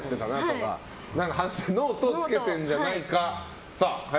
反省ノートをつけてるんじゃないか。